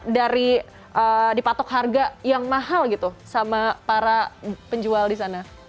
dari dipatok harga yang mahal gitu sama para penjual di sana